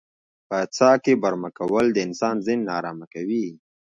په څاه کې برمه کول د انسان ذهن نا ارامه کوي.